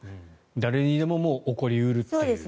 誰にでも起こり得るという。